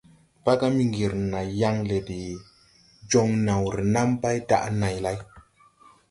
Paga Miŋgiri na yaŋ le de joŋ naw renam bay daʼ này lay.